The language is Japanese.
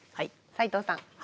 斉藤さん。